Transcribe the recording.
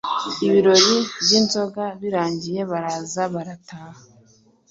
ibirori byinzoga birangiye baraza barataha